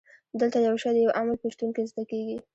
دلته یو شی د یو عامل په شتون کې زده کیږي.